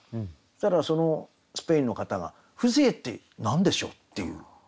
そしたらそのスペインの方が「風情って何でしょう？」っていう話だった。